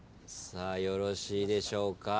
よろしいでしょうか？